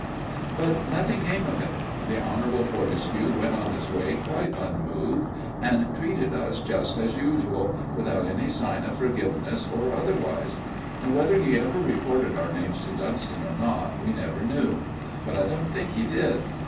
But nothing came of it. The Honourable Fortescue went on his way quite unmoved and treated us just as usual, without any sign of forgiveness or otherwise. And whether he ever reported our names to Dunston or not, we never knew. But I don't think he did.